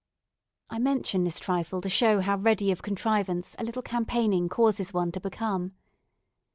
I mention this trifle to show how ready of contrivance a little campaigning causes one to become.